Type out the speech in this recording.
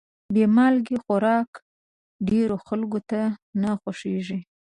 بې مالګې خوراک ډېرو خلکو ته نه خوښېږي.